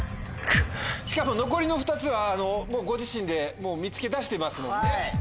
しかも残りの２つはご自身でもう見つけ出してますもんね。